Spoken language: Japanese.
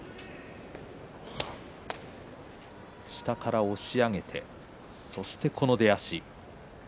下から押し上げてそして、この出足。